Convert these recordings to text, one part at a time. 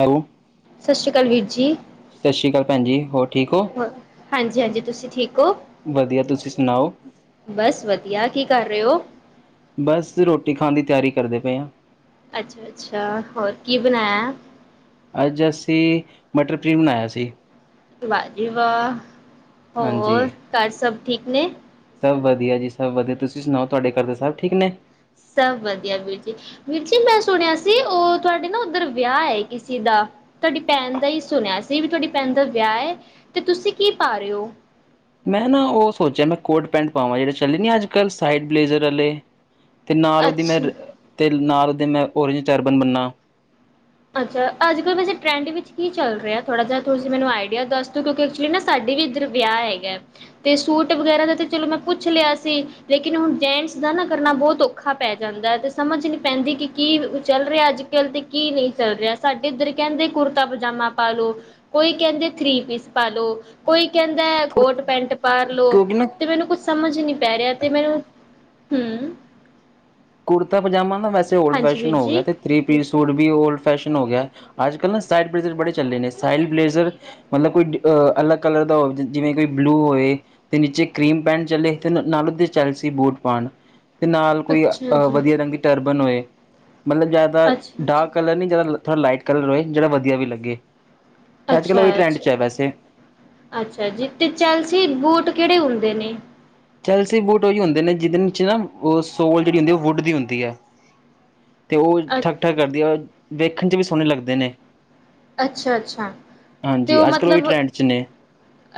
Hello, ਸਤਿ ਸ਼੍ਰੀ ਅਕਾਲ ਵੀਰ ਜੀ। ਸਤਿ ਸ਼੍ਰੀ ਅਕਾਲ ਭੈਣ ਜੀ ਹੋ। ਠੀਕ ਹੋਰ ਹਾਂਜੀ -ਹਾਂਜੀ, ਤੁਸੀ ਠੀਕ ਕੋ ਵਧੀਆ ਤੁਸੀਂ ਸੁਣਾਓ ਬਸ ਵਧੀਆ ਕੀਕ ਕਰ ਰਿਹੇ ਓ ਬਸ ਰੋਟੀ ਖਾਣ ਦੀ ਤਿਆਰੀ ਕਰਦੇ ਪਏ ਹਾਂ। ਅੱਛਾ -ਅੱਛਾ ਹੋਰ ਕੀ ਬਣਾਇਆ । ਅੱਜ ਅਸੀਂ ਮਟਰ ਪਨੀਰ ਬਣਾਇਆ ਸੀ। ਵਾਹ ਜੀ ਵਾਹ। ਹਾਂਜੀ ਹੋਰ ਘਰ ਸਭ ਠੀਕ ਨੇ? ਸਭ ਵਧੀਆ ਜੀ ਸਭ ਵਧੀਆ ਤੁਸੀਂ ਸੁਣਾਓ ਤੁਹਾਡੇ ਘਰ ਦੇ ਸਬ ਠੀਕ ਨੇ? ਸਭ ਵਧੀਆ ਵੀਰ ਜੀ ਵੀਰ ਜੀ ਮੈਂ ਸੁਣਿਆ ਸੀ ਉਹ ਤੁਹਾਡੇ ਨਾ ਉੱਧਰ ਵਿਆਹ ਏ ਕਿਸੇ ਦਾ ਤੁਹਾਡੀ ਭੈਣ ਦਾ ਹੀ ਸੁਣਿਆ ਸੀ ਵੀ ਤੁਹਾਡੀ ਭੈਣ ਦਾ ਵਿਆਹ ਹੈ ਤੇ ਤੁਸੀਂ ਕੀ ਪਾ ਰਹੇ ਹੋ? ਮੈਂ ਨਾ ਉਹ ਸੋਚਿਆ ਮੈਂ ਕੋਟ ਪੈਂਟ ਪਾਵਾਂ ਜਿਹੜੇ ਚੱਲੇ ਨ ਅੱਜ ਕੱਲ੍ਹ ਸਾਈਡ ਬਲੇਜ਼ਰ ਆਲੇ ਤੇ ਨਾਲ ਉਹਦੀ ਮੈਂ ਅੱਛਾ ਤੇ ਨਾਲ ਅਤੇ ਮੈਂ ਓਰਜ ਚੈਰਬਨ ਬਣਨਾ। ਅੱਛਾ ਅੱਜ ਕੱਲ ਵੈਸੇ ਟਰੈਂਡ ਵਿੱਚ ਕੀ ਚੱਲ ਰਿਹਾ? ਥੋੜ੍ਹਾ ਜਿਹਾ ਤੁਂ ਮੈਨੂੰ ਆਈਡੀਆ ਦੱਸ ਦਿਓ ਕਿਉਂਕਿ ਐਕਚੁਲੀ ਨਾ ਸਾੇ ਵੀ ਇੱਧਰ ਵਿਆਹ ਹੈਗਾ ਤੇ ਸੂਟ ਵਗੈਰਾ ਦਾ ਤਾਂ ਚਲੋ ਮੈਂ ਪੁੱਛ ਲਿਆ ਸੀ ਲੇਕਿਨ ਹੁਣ ਜੈਂਟਸ ਦਾ ਨਾ ਕਰਨਾ ਬਹੁਤ ਔਖਾ ਪੈ ਜਾਂਦਾ ਹੈ ਤੇ ਸਮਝ ਨੀ ਪੈਂਦੀ ਕਿ ਕੀ ਚੱਲ ਰਿਹਾ ਅੱਜ ਕੱਲ ਤੇ ਕੀ ਨਹੀਂ। ਚੱਲ ਰਿਹਾ ਸਾਡੇ ਇੱਧਰ ਕਹਿੰਦੇ ਕੁੜਤਾ ਪਜਾਮਾ ਪਾ ਲੋ ਕੋਈ ਕਹਿੰਦੇ ਥ੍ਰੀ ਪੀਸ ਪਾਾਲੋ ਕੋਈ ਕਹਿੰਦਾ ਕੋਟ ਪੈਂਟ ਪਾਾਰ ਲੋੋ ਕਿਉਂਕਿ ਨਾ ਤੇ ਮੈਨੂੰ ਕੁਛ ਸਮਝ ਨੀ ਪੈ ਰਿਹਾ ਤੇ ਮੈਨੂੰ ਹੂੰ। ਕੁੜਤਾ ਪਜਾਮਾ। ਵੈਸੇ ਓਲਡ ਫੈਸ਼ਨ ਹੋ ਗਿਆ ਜੀ ਤੇਥ੍ਰੀਪੀ ਸੂਟ ਵੀ ਓਲਡ ਫੈਸ਼ਨ ਹੋ ਗਿਆ ਅੱਜ ਕੱਲ੍ਹ ਨਾ ਸਡ ਬਲੇਜ਼ਰ ਬੜੇ ਚੱਲੇ ਨੇ ਸਾਈਡ ਬਲੇਜ਼ਰ ਮਤਲਬ ਕੋਈ ਅ ਅਲੱਗ ਕਲਰ ਦਾ ਹੋਵੇ ਜਿਵੇਂ ਕੋਈ ਬਲੂ ਹੋਵੇ ਤੇ ਨੀਚੇ ਕਰੀਮ ਪੈਟ ਚੱਲੇ ਤੇ ਨਾਲੋਂ ਚੱਲ ਸੀ ਬੂਟ ਪਾਣ। ਤੇ ਨਾਲ ਕੋਈ। ਅੱਛਾ ਅ ਜੀ ਵਧੀਆ ਰੰਗੀ ਟਰਬਨ ਹੋਏ। ਮਤਲਬ ਜ਼ਿਆਦਾਤਰ ਅੱਛਾ ਅੱਛਾ ਡਾਰਕ ਕਲਰ ਨਹੀਂ ਜ਼ਿਆਦਾ। ਥਾ ਲਾਈਟ ਕਲਰ ਹੋਏ ਜਿਹੜਾ ਵਧੀਆ ਵੀ ਲੱਗੇ। ਤੇ ਅੱਜ ਕੱਲ੍ਹ ਉਹੀ ਟਰੈਂਡ 'ਚ ਹੈ ਵੈਸੇ ਅੱਛਾ-ਅੱਛਾ-ਅੱਛਾ ਜੀ ਤੇ ਚੱਲ ਸੀ ਬੂਟ ਕਿਹੜੇ ਹੁੰਦੇ? ਦੇ ਨੇ। ਚਲਸੀ ਬੂਟ ਉਹੀ ਹੁੰਦੇ ਨੇ ਜਿਹਦੇ ਵਿੱਚ ਨਾ ਉਹ ਸੋਲ ਜਿਹੜੀ ਹੁੰਦੀ ਵੁੱਡ ਦੀ ਹੁੰਦੀ ਹੈ। ਤੇ ਉਹ ਅ ਠੱਕ-ਠੱਕ ਕਰਦੀ ਹੈ। ਵੇਖਣ 'ਚ ਵੀ ਸੋਹਣੇ ਲੱਗਦੇ ਨੇ। ਅੱਛਾ-ਅੱਛਾ ਤੇ ਹਾਂਜੀ ਉਹ ਅੱਜ ਕੱਲ੍ਹ ਉਹੀ ਮਤਲਬ ਟਰੈਂਡ 'ਚ ਨੇ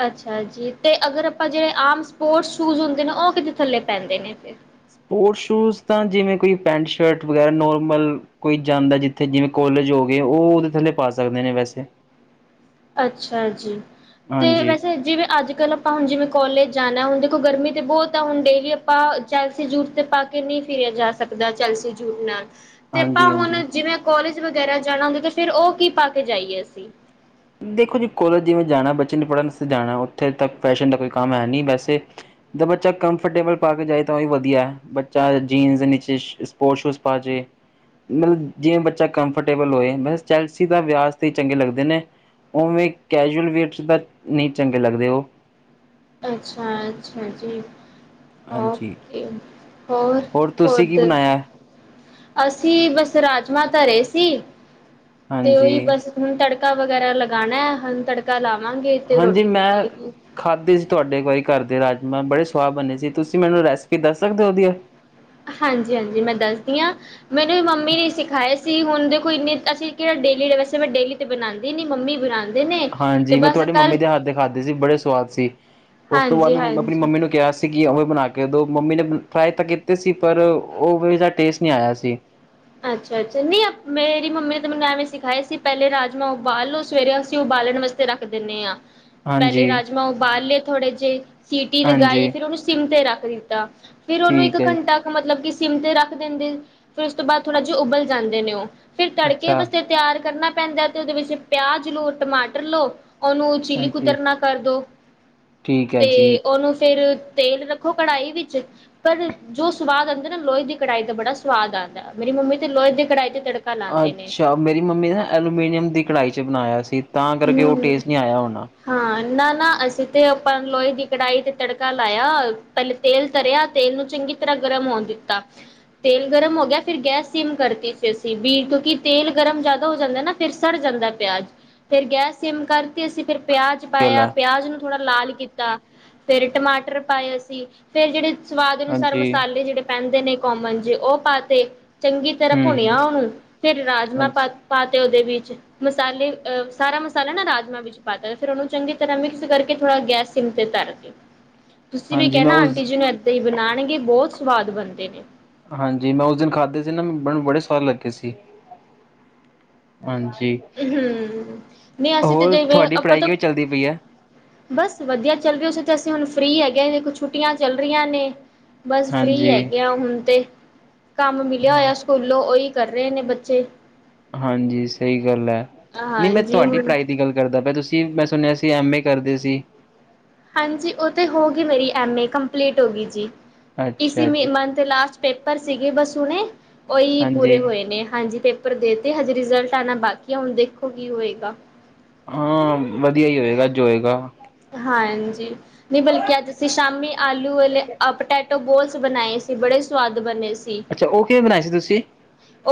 ਅੱਛਾ ਜੀ ਤੇ ਅਗਰ ਆਪਾਂ ਜਿਹੜੇ ਆਮ ਸਪੋਰਟਸ ਸ਼ੂਜ ਹੁੰਦੇ ਨੇ ਉਹ ਕਿਤੇ ਥੱਲੇ ਪੈਂਦੇ ਨੇ ਫੇਰ ਸਪੋਰਟਸ ਸ਼ੂਜ਼ ਤਾਂ ਜਿਵੇਂ ਕੋਈ ਪੈਂਟ ਸ਼ਰਟ ਵਗੈਰਾ ਨੋਰਮਲ ਕੋਈ ਜਾਂਦਾ ਜਿੱਥੇ ਜਿਵੇਂ ਕੋਲਜ ਹੋ ਗਏ ਉਹ ਉਹਦੇ ਥੱਲੇ ਪਾ ਸਕਦੇ ਨੇ ਵੈਸੇ। ਅੱਛਾ ਜੀ। ਤੇ ਹਾਂਜੀ ਵੈਸੇ ਜਿਵੇਂ ਅੱਜ ਕੱਲ੍ਹ ਆਪਾਂ ਹੁਣ ਜਿਵੇਂ ਕੋਲੇਜ ਜਾਣਾ ਹੁਣ ਦੇਖੋ ਗਰਮੀ ਤਾਂ ਬਹੁਤ ਆ ਹੁਣ ਡੇਲੀ ਆਪਾਂ ਚੈਲਸੀ ਜੂਟ 'ਤੇ ਪਾ ਕੇ ਨਹੀਂ ਫਿਰਿਆ ਜਾ ਸਕਦਾ ਚੈਲਸੀ ਜੂਟ ਨਾਲ ਤੇ ਆਪਾਂ ਹਾਂਜੀ ਹੁਣ ਹਾਂਜੀ ਜਿਵੇਂ ਕੋਲਜ ਵਗੈਰਾ ਜਾਣਾ ਹੁੰਦਾ ਤੇ ਫੇਰ ਉਹ ਕੀ ਪਾ ਕੇ ਜਾਈਏ ਅਸੀਂ? ਦੇਖੋ ਜੀ ਕੋਲਜ ਜਿਵੇਂ ਜਾਣਾ ਬੱਚੇ ਨੂੰ ਪੜ੍ਹਨ ਵਸਤੇ ਜਾਣਾ ਉੱਥੇ ਤੱਕ ਫੈਸ਼ਨ ਦਾ ਕੋਈ ਕੰਮ ਹੈ ਨਹੀਂ ਵੈਸੇ ਜ ਬੱਚਾ ਕੰਫਰਟੇਬਲ ਪਾ ਕੇ ਜਾਵੇ ਤਾਂ ਉਹ ਵੀ ਵਧੀਆ ਬੱਚਾ ਜੀਨਸ ਨੀਚੇ ਸਪੋਰਟਸ ਸ਼ੂਜ ਪਾ ਜਾਵੇ ਮਤਲਬ ਜਿਵੇਂ ਬੱਚਾ ਕੰਫਰਟੇਬਲ ਹੋਏ ਵੈਸੇ ਚੈਲਸੀ ਦਾ ਵਿਆਜ 'ਤੇ ਹੀ ਚੰਗੇ ਲੱਗਦੇ ਨੇ ਉਵੇਂ ਕੈਜੂਅਲ ਵੀਅਰਸ ਤਾਂ ਨਹੀਂ ਚੰਗੇ ਲੱਗਦੇ ਉਹ ਅੱਛਾ-ਅੱਛਾ ਜੀ। ਹਾਂਜੀ ਓਕੇ। ਹੋਰ, ਤੁਸੀਂ ਕੀ ਬਣਾਯਾ? ਅਸੀਂ ਬਸ ਰਾਜਮਾਂ ਧਰੇ ਸੀ। ਤੇ ਔਹੀਔ ਹਾਂਜੀ, ਬਸ ਹੁਣ ਤੜਕ ਤੜਕਾ ਵਗੈਰਾ ਲਗਾਣੈ ਹੋਨ ਤੜਕਾ ਲਾ ਵਾਂਗੇ ਤੇ ਹਾਂਜੀ ਰੋਟੀ ਮੈਂ ਬਨੇਗੀ। ਖਾਧੇ ਸੀ ਤੁਹਾਡੇ ਬਾਈ ਘਰ ਦੇ ਰਾਜਮਾਂ ਬੜੇ ਸੁਆਦ ਬਣੇ ਸੀ ਤੁਸੀਂ ਮੈਨੂੰ ਰੈਸਿਪੀ ਦੱਸ ਸਕਦੇ ਉਦੀਆਂ? ਹਾਂਜੀ ਹਾਂਜੀ, ਮੈਂ ਦੱਸਦੀ ਹਾਂ ਮੈਨੂੰ ਵੀ ਮੰਮੀ ਨੇ ਈ ਸਿਖਾਏ ਸੀ ਹੁਣ ਦੇਖੋ ਈਨੇ ਅਸੀਂ ਕੇੜਾ ਡੇਲੀ ਲਗੇਸੀ ਮੈ ਡੇਲੀ ਤੇ ਬਣਾਂਦੀ ਨੀ ਮੰਮੀ ਬਣਾਣ ਹਾਂਜੀ ਮੈਂ ਤੁਹਾਡੀ ਮੰਮੀ ਦੇ ਹੱਥ ਦੇ ਖਾਧੇ ਸੀ ਬੜੇ ਸਵਾਦ ਸੀ ਓਸ ਤੋਂ ਬਾਦ ਹਾਂਜੀ ਮੈਂ ਅਪਣੀ ਹਾਂਜੀ ਮੰਮੀ ਨੂੰ ਕਿਹਾ ਸੀ ਕਿ ਉਵੋ ਬਣਾ ਕੇ ਦੋ ਮੰਮੀ ਨੇ ਟਰਾਏ ਤਾਂ ਕੀਤੇ ਸੀ ਪਰ ਔਵੇ ਜਾ ਟੇਸਟ ਨੀ ਆਇਆ ਸੀ। ਅੱਛਾ ਅੱਛਾ, ਨਹੀਂ ਅਪ ਮੇਰੀ ਮੰਮੀ ਨੇ ਤੇ ਮਨੂੰ ਐਵੇਂ ਸਿਖਾਯਾ ਸੀ ਪੈਲੇ ਰਾਜਮਾਂ ਉਬਾਲ ਲੋ, ਸਵੇਰੇ ਅਸੀਂ ਉਬਾਲਣ ਵਸਤੇ ਰੱਖ ਦਿੰਣੇ ਆਂ। ਪੈਲੇ ਹਾਂਜੀ, ਰਾਜਮਾਂ ਉਬਾਲ ਲੇ। ਥੋੜੇ ਜੇ। ਚ ਸੀਟੀ ਲਗਾਈ ਹਾਂਜੀ ਫਿਰ ਔਨੂੰ ਸਿਮ ਤੇ ਰੱਖ ਖਰੀਦਾ। ਫਿਰ ਔਨੂੰ ਇੱਕ ਠੀਕ ਹੈ ਘੰਟਾ ਕ ਮਤਲਬ ਕਿ ਸਿਮ ਤੇ ਰੱਖ ਦੇਂਦੇ ਫੇ ਉਸ ਉਸ ਤੋਂ ਬਾਦ ਥੋੜਾ ਜਾ ਉਬਲ ਜਾਂਦੇ ਨੇ ਔ। ਫਿਰ ਤੜਕੇ ਅੱਛਾ ਵਾਸਤੇ ਤਿਆਰ ਕਰਨਾ ਪੈਂਦੈ ਤੇ ਉਦੇ ਵਿੱਚ ਪਿਆਜ ਲੋ, ਟਮਾਟਰ ਲੋ। ਔਨੂੰ ਚਿਲੀ ਹਾਂਜੀ। ਕੁਤਰਨਾ ਕਰਦੋ। ਠੀਕ ਹੈ ਤੇ ਜੀ। ਔਨੂੰ ਫੇਰ ਤੇਲ ਰੱਖੋ ਕੜਾਹੀ ਵਿੱਚ ਪਰ ਜੋ ਸਵਾਦ ਆਂਦੈ ਨਾ ਲੋਹੇ ਦੀ ਕੜਾਹੀ ਦਾ ਬੜਾ ਸਵਾਦ ਆਂਦੈ। ਮੇਰੀ ਮੰਮੀ ਤੇ ਲੋਹੇ ਦੀ ਕੜਾਈ ਤੇ ਤੜਕਾ ਲਾਂਦੇ ਨੇ। ਅੱਛਾ, ਮੇਰੀ ਮੰਮੀ ਨਾ ਐਲੂਮੀਨੀਅਮ ਦੀ ਕੜਾਹੀ ਚ ਬਣਾਯਾ ਸ ਤਾਂ ਕਰਕੇ ਔ ਹੂੰ। ਟੇਸਟ ਨ੍ਹੀਂ ਆਯਾ ਹੋਣਾ। ਹਾਂ ਨਾ ਅਸੀਂ ਤੇ ਆਪਾਂ ਲੋਹੇ ਦੀ ਕੜਾਹੀ ਤੇ ਤੜਕਾ ਲਾਯਾ, ਪੈਲੇ ਤੇਲ ਤਰਿਆ ਤੇਲ ਨੂੰ ਚੰਗੀ ਤਰ੍ਹਾਂ ਗਰਮ ਹੋਣ ਦਿੱਤਾ, ਤੇਲ ਗਰਮ ਹੋ ਗਿਆ ਫਿਰ ਗੈਸ ਸਿਮ ਕਰਤੀ ਸੀ ਅਸੀਂ ਵੀ ਕਿਉਂਕਿ ਤੇਲ ਗਰਮ ਜੈਦਾ ਹੋ ਜਾਂਦੈ ਨਾ ਫਿਰ ਸੜ ਜਾਂਦੈ ਪਿਆਜ। ਫਿਰ ਗੈਸ ਸਿਮ ਕਰਤੀ ਅਸੀਂ ਫਿਰ ਪਿਆਜ਼ ਗੱਲ ਪਾਯਾ ਹੈ। ਪਿਆਜ਼ ਨੂੰ ਥੋੜਾ ਲਾਲ ਕੀਤਾ ਫੇਰ ਟਮਾਟਰ ਪਾਏ ਅਸੀ ਫੇਰ ਜੇੜੇ ਸਵਾਦ ਅਨੁਸਾਰ ਹਾਂਜੀ। ਮਸਾਲੇ ਜੇੜੇ ਪੈਂਦ ਦੇਨੇ ਕੋਮਨ ਜੇ ਔ ਪਾਤੇ। ਚੰਗੀ ਤਰ੍ਹਾਂ ਹੂੰ, ਭੁਣਿਆ ਹੂੰ ਉਨੂੰ ਫਿਰ ਰਾਜਮਾਂ ਪਾ ਅੱਛ ਪਾ ਤੇ ਔ ਦੇ ਵੀਚ ਮਸਾਲੇ ਅਹ ਸਾਰਾ ਮਸਾਲਾ ਨਾ ਰਾਜਮਾਂ ਵਿੱਚ ਪਾਤਾ ਫਿਰ ਔਨੂੰ ਚੰਗੀ ਤਰ੍ਹਾਂ ਮਿਕਸ ਕਰਕੇ ਥੋੜ੍ਹਾ ਗੈਸ ਸਿਮ ਤੇ ਤਰ ਦਿਓ। ਤੁਸੀਂ ਵੀ ਹਾਂਜੀ ਮੈਂ ਕੈਣਾ ਆਂਟੀ ਉਸ ਜੀ ਨੂੰ ਏਦਾਂ ਈ ਬਣਾਉਣਗੇ ਬਹੁਤ ਸਵਾਦ ਬਣਦੇ ਨੇ ਹਾਂਜੀ ਮੈਂ ਉਸ ਦਿਨ ਖਾਧੇ ਸੀ ਨਾ ਮੈਨੂੰ ਬੜੇ ਸਵਾਦ ਲੱਗੇ ਸੀ ਹਾਂਜੀ ਹਮ ਨਹੀਂ ਅਸੀਂ ਤੇ ਹੋਰ ਜਿਵੇਂ ਤੁਹਾਡੀ ਆਪਾਂ ਪੜ੍ਹਾਈ ਤਾਂ ਕਿਵੇਂ ਚੱਲਦੀ ਪਈ ਹੈ ਬਸ ਵਧੀਆ ਚੱਲ ਰਹੀ ਹੋੇ ਤੇ ਅਸੀਂ ਹੁਣ ਫ੍ਰਰੀ ਹੈਗੇ ਛੁੱਟੀਆਂ ਚੱਲ ਰਹੀਆਂ ਨੇ ਬਸ ਫ੍ਰੀ ਹਾਂਜੀ, ਹੈਗੇ ਆ ਹੁਣ ਤੇ ਕੰਮ ਮਿਲਿਆ ਹੋਇਆ ਹਾਂ ਸਕੂਲੋਂ ਉਹੀ ਕਰ ਰਹੇ ਨੇ ਬੱਚੇ ਹਾਂਜੀ ਸਹੀ ਗੱਲ ਹੈ ਨਹੀਂ ਮੈਂ ਹਾਂਜੀ ਤੁਹਾਡੀ ਹੁਣ ਪੜ੍ਹਾਈ ਦੀ ਗੱਲ ਕਰਦਾ ਪ ਤੁਸੀਂ ਮੈਂ ਸੁਣਿਆ ਐਮ ਏ ਕਰਦੇ ਸੀ ਹਾਂਜੀ ਉਹ ਤਾਂ ਹੋ ਗਈ ਮੇਰੀ ਐਮ ਏ ਕੰਪਲੀਟ ਹੋ ਗਈ ਜੀ ਇਸ ਅੱਛਾ ਜੀ, ਮਨ ਤੇ ਲਾਸ਼ਟ ਪੇਪਰ ਸੀਗੇ ਬਸੂਣੇ ਉਹੀ ਪੂਰੇ ਹਾਂਜੀ ਹੋਏ ਨੇ ਹਾਂਜੀ ਪੇਪਰ ਦੇ ਤੇ ਹਜੇ ਰਿਜਲਟ ਆਉਣਾ ਬਾਕੀ ਆ ਹੁਣ ਦੇਖੋ ਕੀ ਹੋਏਗਾ ਹਾਂ ਵਧੀਆ ਹੀ ਹੋਏਗਾ ਜੋਂ ਹੋਏਗਾ ਹਾਂਜੀ ਨਹੀਂ ਬਲਕਿ ਅੱਜ ਅਸੀਂ ਸ਼ਾਮੀ ਆਲੂ ਵਾਲ਼ੇ ਗੋਲਸ ਬਣਾਏ ਸੀ ਬੜੇ ਸੁਵਾਦ ਬਣੇ ਸੀ ਅੱਛਾ ਉਹ ਕਿਵੇਂ ਬਣਾਏ ਸੀ ਤੁਸੀਂ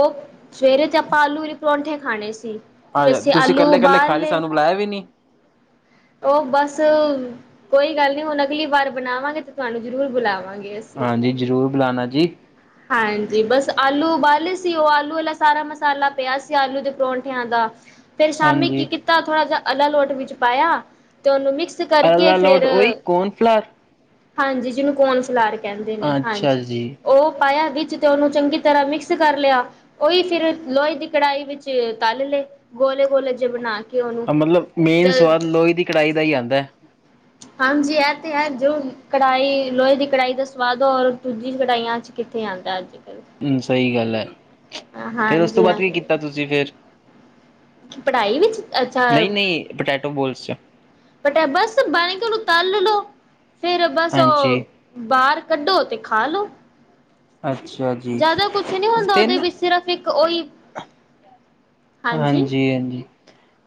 ਉਹ ਸਵੇਰੇ ਤੇ ਆਪਾਂ ਆਲੂ ਦੇ ਪਰੌਂਠੇ ਖਾਣੇ ਸੀ ਤੇ ਆਜਾ ਅਸੀਂ ਤੁਸੀਂ ਆਲੂ ਕੱਲੇ-ਕੱਲੇ ਖਾ ਉਬਾਲ ਲਈ ਲਏ ਸਾਨੂੰ ਬੁਲਾਇਆ ਵੀ ਨੀ। ਉਹ ਬਸ ਬੱਸ ਕੋਈ ਗੱਲ ਨਹੀਂੀ ਹੁਣ ਅਗਲੀ ਵਾਰ ਬਣਾਵਾਂਗੇ ਤੇ ਤੁਹਾਨੂੰ ਜ਼ਰੂਰ ਬੁਲਾਵਾਂਗੇ ਹਾਂਜੀ ਜ਼ਰੂਰ ਬੁਲਾਣਾ ਜੀ, ਹਾਂਜੀ ਬਸ ਆਲੂ ਉਬਾਲੇ ਸੀ ਉਹ ਆਲੂ ਵਾਲਾ ਸਾਰਾ ਮਸਾਲਾ ਪਿਆ ਸੀ ਆਲੂ ਦੇ ਪਰੌਂਠਿਆਂ ਦਾ ਫੇਰ ਸ਼ਾਮੀ ਹਾਂਜੀ ਕੀ ਕੀਤਾ ਥੋੜਾ ਜਹਾ [inaudible] [unintelligible] ਹਾਂਜੀ ਜਿਹਨੂੰ ਕੌਣ ਫਲਾ ਕੇ ਕਹਿੰਦੇ ਨੇ ਅੱਛਾ ਹਾਂਜੀ ਜੀ, ਉਹ ਪਾਇਆ ਵਿੱਚ ਤੇ ਉਹਨੂੰ ਚੰਗੀ ਤਰ੍ਹਾਂ ਮਿਕਸ ਕਰ ਲਿਆ ਉਹੀ ਫਿਰ ਲੋਹੇ ਦੀ ਕੜਾਹੀ ਵਿੱਚ ਤਲ ਲਏ ਗੋਲੇ ਗੋਲੇ ਜੇ ਬਣਾ ਕੇ ਉਹਨੂੰ। ਹਾਂ ਮਤਲਬ ਮੇਨ ਜ ਸਵਾਦ ਲੋਹੇ ਦੀ ਕੜਾਹੀ ਦਾ ਹੀ ਆਉਂਦਾ ਹੈ ਹਾਂਜੀ ਇਹ ਤੇ ਹੈ ਜੋ ਕੜਾਹੀ ਲੋਹੇ ਦੀ ਕੜਾਹੀ ਦਾ ਸਵਾਦ ਔਰ ਦੂਜੀ ਕਢਾਈਆਂ ਚ ਕਿੱਥੇ ਆਦਾ ਅੱਜ ਕੱਲ੍ਹ ਫੇਿਰ ਉਸ ਤੋਂ ਹਾਂਜੀ ਬਾਅਦ ਕੀ ਕੀਤਾ ਹਾਂਜੀ ਤੁਸੀਂ ਫੇਰ ਪੜ੍ਹਾਈ ਵਿੱਚ ਅੱਛਾ ਨਹੀਂ ਨਹੀਂ ਪੋਟੈਟੋ ਬੋਲਸ ਪਟਿਆ ਬਸ ਬਣੀ ਕੇ ਉਹਨੂੰ ਤਲ ਲਓ। ਫੇਰ ਬਸ ਔ ਹਾਂਜੀ, ਬਾਰ, ਕੱਢੋ ਤੇ ਖਾ ਲੋੋ, ਅੱਛਾ ਜੀ। ਜ਼ਿਆਦਾ ਕੁਛ ਨਹੀਂ ਹੁੰਦਾ ਤੇ ਉਹਦੇ ਨਾ ਵਿੱਚ ਸਿਰਫ਼ ਇੱਕ ਉਹੀ ਹਾਂਜੀ, ਹਾਂਜੀ-ਹਾਂਜੀ,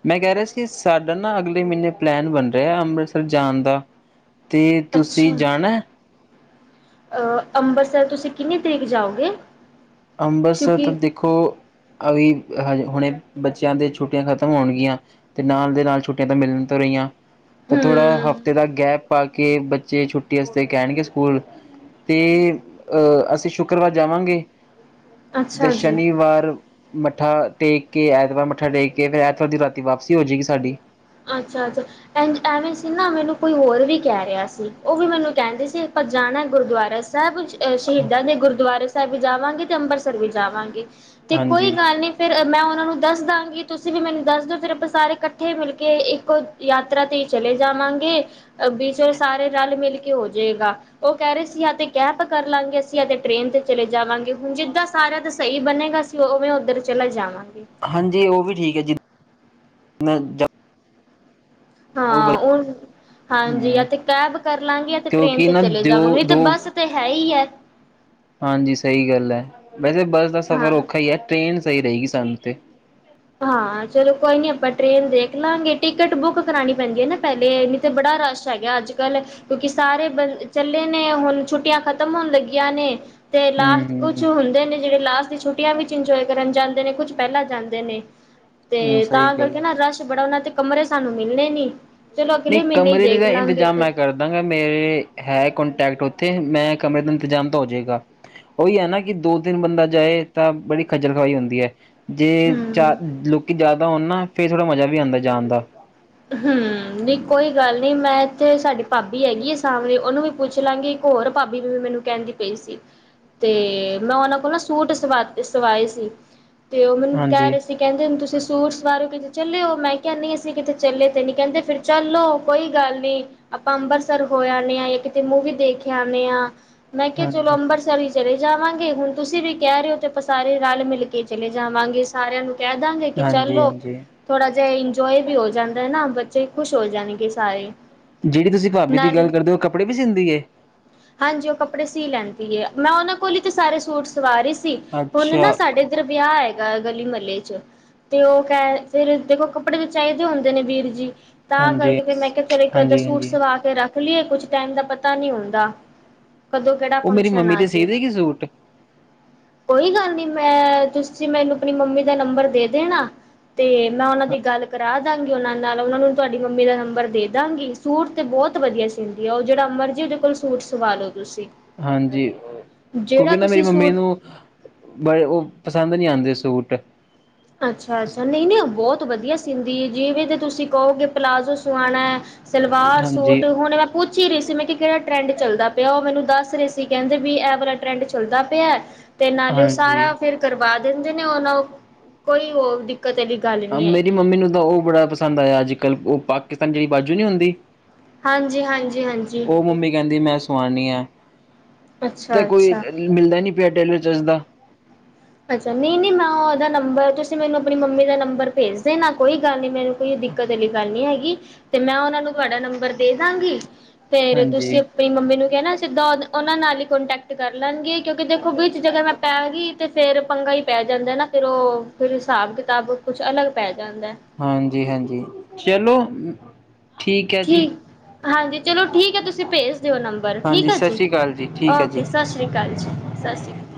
ਮੈਂ ਕਹਿ ਰਿਹਾ ਸੀ ਸਾਡਾ ਨਾ ਅਗਲੇ ਮਹੀਨੇ ਪਲੈਨ ਬਣ ਰਿਹਾ ਅੰਮ੍ਰਿਤਸਰ ਜਾਣ ਦਾ, ਅਤੇ ਤੁਸੀਂ ਜਾਣਾ, ਅਹ ਅੰਬਰਸਰ ਤੁਸੀਂ ਕਿੰਨੀ ਤਰੀਕ ਜਾਓਗੇ। ਅੰਬਰਸਰ ਕਿਉਂਕਿ ਤਾਂ ਦੇਖੋ ਅਭੀ ਹ ਹੁਣੇ ਬੱਚਿਆਂ ਦੇ ਛੁੱਟੀਆਂ ਖ਼ਤਮ ਹੋਣਗੀਆਂ, ਤੇ ਨਾਲ ਦੇ ਨਾਲ ਛੁੱਟੀਆਂ ਤਾਂ ਮਿਲਣ ਤੋਂ ਰਹੀਆਂ। ਤੇ ਥੋੜਾ ਹਫ਼ਤੇ ਹਮ ਦਾ ਗੈਪ ਪਾ ਕੇ, ਕਿ ਬੱਚੇ ਛੁੱਟੀ ਵਾਸਤੇ ਕਹਿਣਗੇ ਸਕੂਲ ਤੇ ਅਹ ਅਸੀਂ ਸ਼ੁੱਕਰਵਾਰ ਜਾਵਾਂਗੇ। ਤੇ ਅੱਛਾ ਜੀ ਸ਼ਨੀਵਾਰ, ਮੱਥਾ ਟੇਕ ਕੇ ਐਤਵਾਰ ਮੱਥਾ ਟੇਕ ਕੇ ਫਿਰ ਐਤਵਾਰ ਦੀ ਰਾਤੀ ਵਾਪਸੀ ਹੋ ਜਾਏਗੀ ਸਾਡੀ, ਜ ਨਾ ਮੈਨੂੰ ਕੋਈ ਹੋਰ ਵੀ ਕਹਿ ਰਿਹਾ ਸੀ ਉਹ ਵੀ ਮੈਨੂੰ ਕਹਿੰਦੇ ਸੀ ਆਪਾਂ ਜਾਣਾ ਗੁਰਦੁਆਰਾ, ਸਾਹਿਬ ਸ਼ਹੀਦਾਂ ਦੇ ਗੁਰਦੁਆਰੇ ਸਾਹਿਬ ਵੀ ਜਾਵਾਂਗੇ ਤੇ ਅੰਬਰਸਰ ਵੀ ਜਾਵਾਂਗੇ। ਤੇ ਕੋਈ ਹਾਂਜੀ ਗੱਲ ਨੀ ਫੇਰ ਮੈਂ, ਨੂੰ ਦੱਸ ਦਾਂਗੀ ਤੁਸੀਂ ਵੀ ਮੈਨੂੰ ਦੱਸ ਦਿਓ ਤੇਰੇ ਸਾਰੇ ਇਕੱਠੇ ਮਿਲ ਕੇ, ਕੇ ਇੱਕੋ ਯਾਤਰਾ ਤੇ ਚਲੇ ਜਾਵਾਂਗੇ, ਵੀ ਸਾਰੇ ਰਲ ਮਿਲ ਕੇ ਹੋ ਜਾਏਗਾ ਉਹ ਕਹਿ ਰਹੇ ਸੀ ਜਾਂ ਤੇ ਕੈਬ ਕਰ ਲਾਂਗੇ ਅਸੀਂ ਤੇ ਟ੍ਰੇਨ ਤੇ ਚਲੇ ਜਾਵਾਂਗੇ। ਹੁਣ ਜਿੱਦਾਂ ਸਾਰਿਆਂ ਤਾਂ ਸਹੀ ਬਣੇਗਾ। ਸੀ ਉਵੇਂ ਉੱਧਰ ਚਲਾ ਜਾਵਾਂ। ਹਾਂਜੀ ਉਹ ਵੀ ਠੀਕ ਹੈ ਜੀ, [unintelligible] ਹਾਂ ਉਹ ਹਾਂਜੀ ਆ ਤੇ ਕੈਬ ਕਰ ਲਾਂਗੇ, ਆ ਤੇ ਟ੍ਰੇਨ ਕਿਉਂਕਿ ਤੇ ਨਾ ਚਲੇ ਦਿਓ ਜਾਵਾਂਗੇ ਤੇ ਦੋ ਬੱਸ ਤੇ ਹੈ ਹੀ ਹੈ। ਹਾਂਜੀ ਸਹੀ ਗੱਲ ਹੈ, ਵੈਸੇ ਬੱਸ ਦਾ ਹਾਂ ਸਫ਼ਰ ਔਖਾ ਹੀ ਹੈ ਟ੍ਰੇਨ, ਸਹੀ ਰਹੇਗੀ ਸਾਨੂੰ ਤੇ, ਹਾਂ ਚਲੋ ਕੋਈ ਨੀ ਆਪਾਂ ਟ੍ਰੇਨ ਦੇਖ ਲਵਾਂਗੇ ਟਿਕਟ ਬੁੱਕ ਕਰਾਣੀ ਪੈਂਦੀ ਹੈ ਨਾ ਪਹਿਲੇ ਨੀ ਤੇ ਬੜਾ ਰਸ਼ ਹੈਗਾ ਅੱਜ ਕੱਲ੍ਹ ਕਿਉਂਕਿ ਸਾਰੇ ਬੰ ਚੱਲੇ ਨੇ ਹੁਣ ਛੁੱਟੀਆਂ ਖਤਮ ਹੋਣ ਲੱਗੀਆਂ ਨੇ ਤੇ ਹਮ ਲਾਸਟ ਕੁਛ ਹਮ ਹੁੰਦੇ ਨੇ, ਜਿਹੜੇ ਲਾਸਟ ਦੀ ਛੁੱਟੀਆਂ ਵਿੱਚ ਇੰਜੋਏ ਕਰਨ ਜਾਂਦੇ ਨੇ ਕੁੱਝ ਪਹਿਲਾਂ ਜਾਂਦੇ ਨੇ, ਹਮ ਤੇ ਸਹੀ ਤਾਂ ਗੱਲ ਕਰਕੇ ਹੈ ਨਾ ਰਸ਼ ਬੜਾ ਉਹਨਾਂ ਤੇ ਕਮਰੇ ਸਾਨੂੰ, ਮਿਲਣੇ ਨੀ, ਚਲੋ ਨਹੀਂ ਅਗਲੇ ਮਹੀਨੇ ਹੀ ਕਮਰੇ ਦੇ ਦੇਖ ਤਾਂ ਲਾਂਗੇ ਇੰਤਜ਼ਾਮ ਫਿਰ ਮੈਂ ਕਰਦਾਂਗਾ ਮੇਰੇ ਹੈ ਕੋਂਟੈਕਟ ਥ ਮੈਂ ਕਮਰੇ ਦਾ ਇੰਤਜ਼ਾਮ ਤਾਂ ਹੋ ਜਾਏਗਾ ਉਹੀ ਹੈ ਨਾ ਕਿ ਦੋ ਤਿੰਨ ਬੰਦਾ ਜਾਏ ਤਾਂ ਬੜੀ ਖੱਜਲ ਖਵਾਈ ਹੁੰਦੀ ਹੈ। ਜੇ ਚ ਹੂੰ ਲੋਕੀ ਜ਼ਿਆਦਾ ਹੋਣ ਨਾ। ਫੇਰ ਥੋੜਾ ਮਜ਼ਾ ਵੀ ਆਉਂਦਾ ਜਾਣ ਦਾ ਹੂ ਨਹੀ ਕੋਈ ਗੱਲ ਨੀ ਮੈਂ ਥੇ ਸਾਡੀ ਭਾਬੀ ਹੈਗੀ ਐ ਸ਼ਾਮਲੀ, ਉਹਨੂੰ ਵੀ ਪੁੱਛ ਲਾਂਗੇ ਇੱਕ ਹੋਰ ਭਾਬੀ ਵੀ ਮੈਨੂੰ ਕਹਿੰਦੀ ਪਈ ਸੀ, ਤੇ ਮੈਂ ਉਹਨਾਂ ਕੋਲ ਨਾ ਸੂਟ ਸਵਾ ਸਵਾਏ ਸੀ। ਤੇ ਉਹ ਮੈਨੂੰ ਕਹਿ ਹਾਂਜੀ ਰਹੇ ਸੀ ਕਹਿੰਦੇ ਹੁਣ ਤੁਸੀਂ ਸੂਟ ਸਵਾ ਰੇ ਔ, ਕਿਤੇ ਚੱਲੇ ਔ, ਮੈਂ ਨਹੀ ਅਸੀਂ ਕਿਤੇ ਚੱਲੇ ਤੇ ਨੀ ਕਹਿੰਦੇ ਫਿਰ ਚੱਲੋ ਕੋਈ ਗੱਲ ਨੀ ਆਪਾਂ ਅੰਬਰਿਤਸਰ ਹੋ ਆਣੇ ਹਾਂ ਜਾਂ ਕਿਤੇ ਮੂਵੀ ਦੇਖ ਆਨੇ ਆਂ। ਮੈਂ ਕਿਹਾ ਚਲੋ ਹਾਂਜੀ ਅੰਮਰਤਸਰ ਚਲੇ ਜਾਵਾਂਗੇ ਹੁਣ ਤੁਸੀਂ ਵੀ ਕਹਿ ਰਹੇ ਹੋ ਤੇ ਆਪਾਂ ਸਾਰੇ ਰਲ ਮਿਲ ਕੇ ਚਲੇ ਜਾਵਾਂਗੇ ਸਾਰਿਆਂ ਨੂੰ ਕਹਿ ਦਾਂਗੇ ਕਿ ਹਾਂਜੀ ਚਲੋ ਹਾਂਜੀ ਥੋੜਾ ਜਿਹਾ ਇੰਜੋਏ ਵੀ ਹੋ ਜਾਣ। ਨਾ ਬੱਚੇ ਖੁਸ਼ ਹੋ ਜਾਣਗੇ ਸਾਰੇ। ਜਿਹੜੀ ਤੁਸੀਂ ਭਾਬੀ ਦੀ ਨਾਲੇ ਗੱਲ ਕਰਦੇ ਹੋ ਕੱਪੜੇ ਵੀ ਸੀਂਦੀ ਏ। ਹਾਂਜੀ ਉਹ ਕੱਪੜੇ ਸੀ ਲੈਂਦੀ ਮੈਂ ਉਹਨਾਂ ਕੋਲ ਹੀ ਤੇ ਸਾਰੇ ਸੂਟ ਸਵਾ ਰਹੀ ਸੀ। ਹੁਣ ਨਾ ਅੱਛਾ ਸਾਡੇ ਇੱਧਰ ਵਿਆਹ ਏ ਗਾ ਗਲੀ ਮਹੱਲੇ ਚ, ਤੇ ਉਹ ਕਹਿ ਫਿਰ ਦੇਖੋ ਕੱਪੜੇ ਵੀ ਚਾਹੀਦੇ ਹੁੰਦੇ। ਜਨ ਵੀਰ ਜੀ। ਤਾਂ ਹਾਂਜੀ ਕਰਕੇ ਫਿਰ ਮੈਂ ਕਿਹਾ ਚਲੋ ਇਕ ਅੱਧਾ ਹਾਂਜੀ ਸੂਟ ਹਾਂਜੀ ਸਵਾ ਕੇ ਰੱਖ ਨਿਕਲੀਏ ਕੁਛ ਟਾਈਮ ਦਾ ਪਤਾ ਨੀ ਹੁੰਦਾ। ਕਦੋਂ ਕਿਹੜਾ ਉਹ ਮੇਰੀ ਫੰਕਸ਼ਨ ਮੰਮੀ ਆ ਤੇ ਸੀ ਜੇ, ਦੇਗੀ ਸੂਟ ਕੋਈ ਗੱਲ ਨੀ। ਮੈਂ ਤੁਸੀਂ ਮੈਨੂੰ ਆਪਣੀ ਮੰਮੀ ਦਾ ਨੰਬਰ ਦੇ ਦੇਣਾ। ਤੇ ਮੈਂ ਉਹਨਾਂ ਦੀ ਗੱਲ ਕਰਾ। ਦਾਂਗੀ ਉਹਨਾਂ ਨਾਲ ਉਹਨਾਂ ਨੂੰ ਤੁਹਾਡੀ ਮੰਮੀ ਦਾ ਨੰਬਰ ਦੇ ਦਾਂਗੀ ਸੂਟ ਤੇ ਬਹੁਤ ਵਧੀਆ ਸੀਂਦੀ ਆ ਉਹ ਜਿਹੜਾ ਅਮਰ ਜੀ ਉਹਦੇ ਕੋਲ ਸੂਟ ਸਵਾ ਲੋ। ਹਾਂਜੀ ਜਿਹੜਾ ਕਿਉਂਕਿ ਨਾ ਮੇਰੀ ਤੁਸੀਂ ਮੰਮੀ ਸੂਟ ਨੂੰ ਬੜੇ ਉਹ ਪਸੰਦ ਨਹੀਂ ਆਦੇ ਸੂਟ ਅੱਛਾ ਅੱਛਾ ਨਹੀਂ ਨਹੀਂ ਬਹੁਤ ਤੋਂ ਵਧੀਆ ਸਿੰਦੀ ਜਿਵੇਂ ਤੇ ਤੁਸੀਂ ਕਹੋਗੇ ਪਲਾਜ਼ੋ ਸਵਾਣਾ ਸਲਵਾਰ ਹਾਂਜੀ ਸੂਟ ਹੁਣ ਮੈਂ ਪੁ ਪੁੱਛ ਹੀ ਰਹੀ ਸੀ ਮੈਂ ਕਿਹਾ ਕਿਹੜਾ ਟਰੈਂਡ ਚੱਲਦਾ ਪਿਆ ਉਹ ਮੈਨੂੰ ਦੱਸ ਰਹੇ ਸੀ ਕਹਿੰਦੇ ਵੀ ਐਵਰਾ ਟਰੈਂਡ ਚੱਲਦਾ ਪਿਆ ਹੈ। ਤੇ ਨਾਲੇ ਉਹ ਹਾਂਜੀ ਸਾਰਾ ਫੇਰ ਕਰਵਾ ਦਿੰਦੇ ਨੇ ਉਹ ਨਾ ਕੋਈ ਹੋਰ ਦੀ ਮੇਰੀ ਮੰਮੀ ਨੂੰ ਤਾਂ ਉਹ ਬੜਾ ਪਸੰਦ ਆਇਆ ਅੱਜ ਕੱਲ੍ਹ ਉਹ ਪਾਕਿਸਤਾਨ ਜਿਹੜੀ ਬਾਜੂ ਨਹੀਂ ਹੁੰਦੀ। ਹਾਂਜੀ-ਹਾਂਜੀ-ਹਾਂਜੀ ਉਹ ਮੰਮੀ ਕਹਿੰਦੀ ਮੈਂ ਸਵਾਨੀ ਐ ਤੇ ਕੋਈ ਅੱਛਾ-ਅੱਛਾ ਮਿਲਦਾ ਨੀ ਪਿਆ ਟੇਲਰ ਜਿਸਦਾ ਅੱਛਾ ਨਈ ਨਈ ਮੈਂ ਉਹਦਾ ਨੰ ਨੰਬਰ ਤੁਸੀਂ ਮੈਨੂੰ ਆਪਣੀ ਮੰਮੀ ਦਾ ਨੰਬਰ ਭੇਜਦੇ ਨਾ ਕੋਈ ਗੱਲ ਨੀ ਮੈਨੂੰ ਕੋਈ ਦਿੱਕਤ ਵਾਲੀ ਗੱਲ ਨਹੀਂ ਹੈਗੀ। ਤੇ ਮੈਂ ਉਹਨਾ ਨੂੰ ਤੁਹਾਡਾ ਨੰਬਰ ਦੇ ਦਾਂਗੀ। ਫੇਰ ਤੁਸੀਂ ਹਾਂਜੀ ਆਪਣੀ ਮੰਮੀ ਨੂੰ ਕਹਿਣਾ ਸਿੱਧਾ ਉਹਨਾਂ ਨਾਲ ਈ ਕੋਂਟੈਕਟ ਕਰ ਲੈਣਗੇ ਤੁਸੀ ਦੇਖੋ ਬਈ ਜਦੋਂ ਮੈਂ ਪੈ ਗਈ। ਫੇਰ ਪੰਗਾ ਹੀ ਪੈ ਜਾਂਦਾ ਨਾ ਫਿਰ ਉਹ ਫਿਰ ਹਿਸਾਬ ਕਿਤਾਬ ਕੁੱਛ ਅਲੱਗ ਪੈ ਜਾਂਦਾ ਹਾਂਜੀ-ਹਾਂਜੀ, ਚਲੋ ਹੂੰ, ਠੀਕ ਹਾਂਜੀ ਚਲੋ ਠੀਕ ਹੈ ਤੁਸੀਂ ਭੇਜ ਦਿਓ ਨੰਬਰ ਠੀਕ ਹਾਂਜੀ ਹੈ ਸਤਿ ਜੀ ਸ਼੍ਰੀ ਅਕਾਲ ਠੀਕ ਹੈ ਓਕੇ ਜੀ ਸਸ ਰੀ ਕਾਲ ਜੀ, ਸਸ ਰੀ ਕਾਲ